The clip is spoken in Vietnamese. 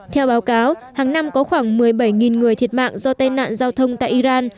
theo báo cáo hàng năm có khoảng một mươi bảy người thiệt mạng do tai nạn giao thông tại iran